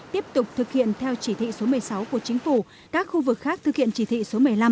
tiếp tục thực hiện theo chỉ thị số một mươi sáu của chính phủ các khu vực khác thực hiện chỉ thị số một mươi năm